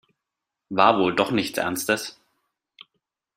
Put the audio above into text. War wohl doch nichts Ernstes.